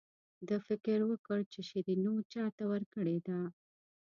ده فکر وکړ چې شیرینو چاته ورکړې ده.